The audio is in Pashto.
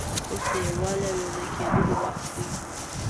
اوس د یووالي او یو ځای کېدلو وخت دی.